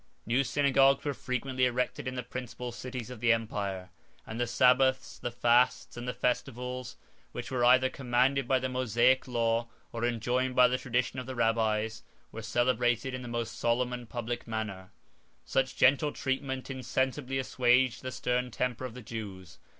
5 New synagogues were frequently erected in the principal cities of the empire; and the sabbaths, the fasts, and the festivals, which were either commanded by the Mosaic law, or enjoined by the traditions of the Rabbis, were celebrated in the most solemn and public manner. 6 Such gentle treatment insensibly assuaged the stern temper of the Jews.